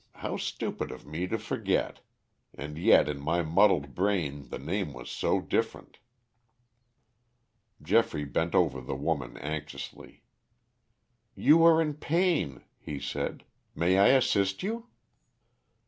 How stupid of me to forget. And yet in my muddled brain the name was so different." Geoffrey bent over the woman anxiously. "You are in pain," he said. "May I assist you?"